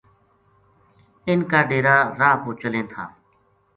اِن کا ڈیرا راہ پو چلیں تھا